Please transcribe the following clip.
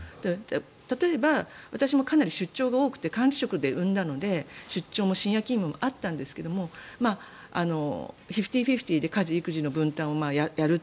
例えば、私もかなり出張が多くて管理職で産んだので出張も深夜勤務もあったんですけどフィフティーフィフティーで家事・育児の分担をやると。